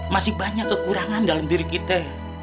masih banyak kekurangan dalam diri kita